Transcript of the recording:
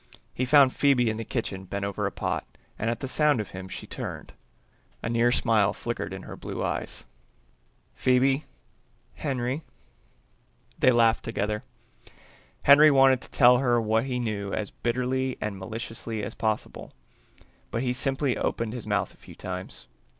He found Phoebe in the kitchen bent over a pot, and at sound of him she turned. A near smile flickered in her blue eyes. "Phoebe ..." "Henry ..." They laughed together. Henry wanted to tell her what he knew as bitterly and maliciously as possible, but he simply opened his mouth a few times.